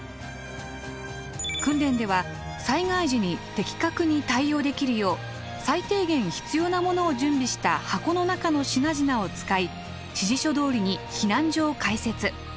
訓練では災害時に的確に対応できるよう最低限必要なものを準備した箱の中の品々を使い指示書どおりに避難所を開設。